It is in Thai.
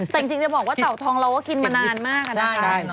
แต่จริงจะบอกว่าเต่าทองเราก็กินมานานมากได้